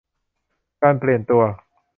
การเปลี่ยนตัว